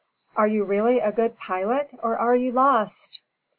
"Are you really a good pilot, or are you lost?"